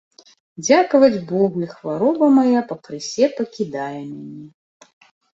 Дзякаваць богу, і хвароба мая пакрысе пакідае мяне.